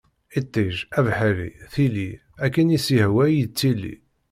Iṭij, abeḥri, tili ; akken i s-yehwa i yettili.